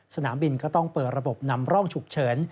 สนามบินก็ต้องเปิดระบบนำร่องฉุกเฉิน